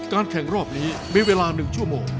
แข่งรอบนี้มีเวลา๑ชั่วโมง